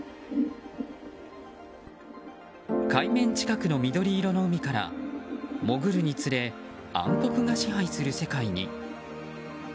海面近くの緑色の海から潜るにつれ暗黒が支配する世界に。